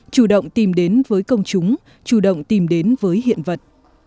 chủ động tìm đến với công chúng chủ động tìm đến với hiện vật